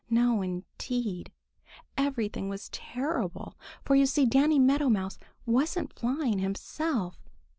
No, indeed! Everything was terrible, for you see Danny Meadow Mouse wasn't flying himself.